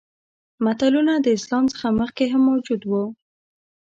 متلونه د اسلام څخه مخکې هم موجود وو